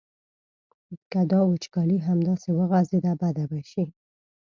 که دا وچکالي همداسې وغځېده بده به شي.